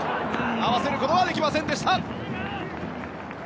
合わせることはできませんでした。